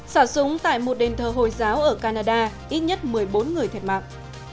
xả súng tại một đền thờ hồi giáo ở canada ít nhất một mươi bốn người thiệt mạng